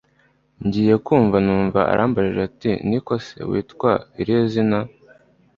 ngiye kumva numva arambajije ati niko se! witwa irihe izina!